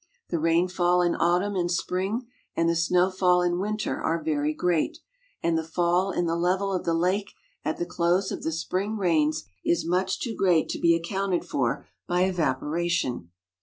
The rainfall in autumn and sj^ring and the snowfall in winter are very great, and the fall in the level of the lake at the close of the spring rains is much too great to be accounted for by evaporation.